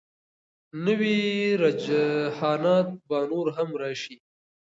نوي رجحانات به نور هم راشي.